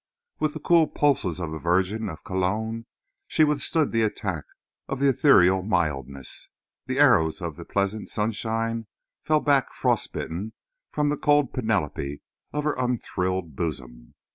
With the cool pulses of a virgin of Cologne she withstood the attack of the ethereal mildness. The arrows of the pleasant sunshine fell back, frostbitten, from the cold panoply of her unthrilled bosom.